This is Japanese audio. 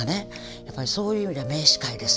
やっぱりそういう意味では名司会ですよね。